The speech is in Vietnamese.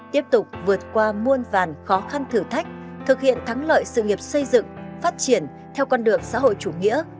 tiếp tục vượt qua muôn vàn khó khăn thử thách thực hiện thắng lợi sự nghiệp xây dựng phát triển theo con đường xã hội chủ nghĩa